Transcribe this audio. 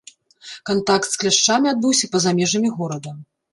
Кантакт з кляшчамі адбыўся па-за межамі горада.